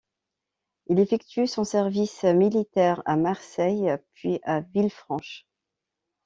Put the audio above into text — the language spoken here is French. Il effectue son service militaire à Marseille puis à Villefranche.